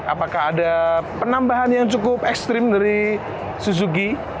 apakah ada penambahan yang cukup ekstrim dari suzuki